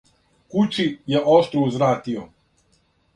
Кучи је оштро узвратио.